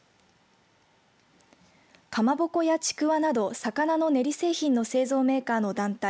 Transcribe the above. かまぼこやちくわなど魚の練り製品の製造メーカーの団体